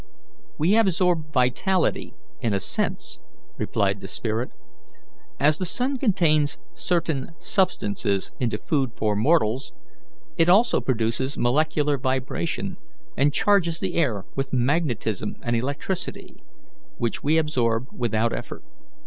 "We absorb vitality in a sense," replied the spirit. "As the sun combines certain substances into food for mortals, it also produces molecular vibration and charges the air with magnetism and electricity, which we absorb without effort.